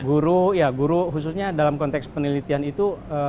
guru ya guru khususnya dalam konteks penelitian itu